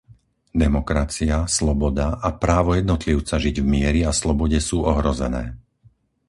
Demokracia, sloboda a právo jednotlivca žiť v mieri a slobode sú ohrozené.